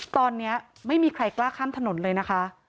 ตอนนี้ไม่มีใครกล้าข้ามถนนเลยนะคะ